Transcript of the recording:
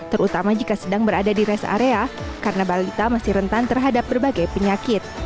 terutama jika sedang berada di rest area karena balita masih rentan terhadap berbagai penyakit